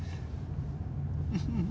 ウフフフ。